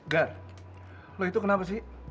gar lo itu kenapa sih